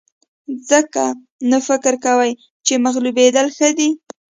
ځکه نو فکر کوئ چې مغلوبېدل ښه دي.